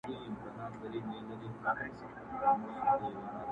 پلار یې تېر تر هدیرې سو تر قبرونو!.